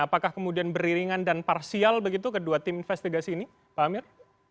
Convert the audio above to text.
apakah kemudian beriringan dan parsial begitu kedua tim investigasi ini pak amir